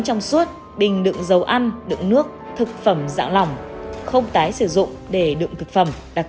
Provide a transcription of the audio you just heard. trong suốt bình đựng dầu ăn đựng nước thực phẩm dạng lỏng không tái sử dụng để đựng thực phẩm đặc